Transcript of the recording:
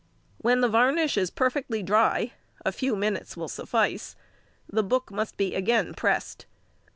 When the varnish is perfectly dry—a few minutes will suffice—the book must be again pressed.